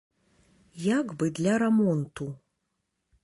Як бы для рамонту.